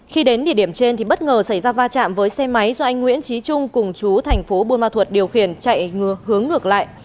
khi đến địa điểm trên thì bất ngờ xảy ra va chạm với xe máy do anh nguyễn trí trung cùng chú thành phố buôn ma thuật điều khiển chạy hướng ngược lại